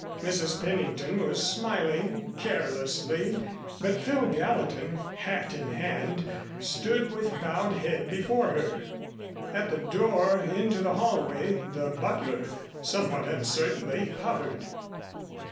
Mrs. Pennington was smiling carelessly, but Phil Gallatin, hat in hand, stood with bowed head before her. At the door into the hallway, the butler, somewhat uncertainly, hovered.